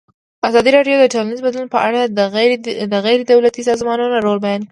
ازادي راډیو د ټولنیز بدلون په اړه د غیر دولتي سازمانونو رول بیان کړی.